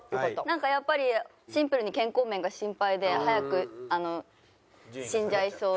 なんかやっぱりシンプルに健康面が心配で早く死んじゃいそうで。